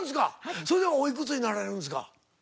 それでおいくつになられるんですか？